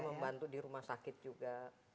membantu di rumah sakit juga